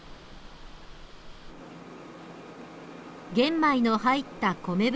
玄米の入った米袋。